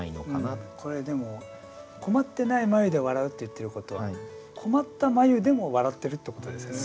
これでも「困ってない眉で笑う」って言ってることは困った眉でも笑ってるってことですよね。